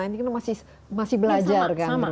ini masih belajar kan